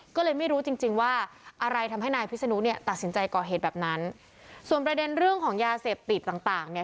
ก็เลยไม่รู้จริงจริงว่าอะไรทำให้นายพิศนุเนี่ยตัดสินใจก่อเหตุแบบนั้นส่วนประเด็นเรื่องของยาเสพติดต่างต่างเนี่ย